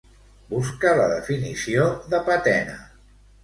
Busca la definició de patena.